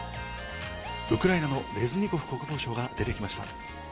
ウクライナのレズニコフ国防相が出てきました。